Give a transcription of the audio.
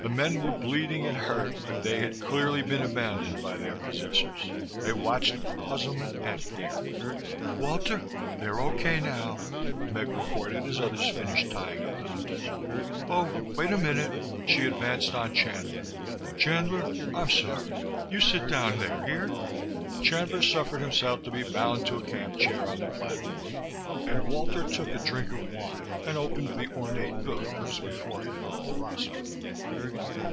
The men were bleeding and hurt, but they had clearly been abandoned by their possessors. They watched with puzzlement and fear. "Walter, they're okay now," Meg reported as others finished tying up the hunters. "Oh, wait a minute." She advanced on Chandler. "Chandler, I'm sorry. You sit down there, hear?" Chandler suffered himself to be bound to a camp chair on the platform and Walter took a drink of wine and opened the ornate book that was before him on the rostrum.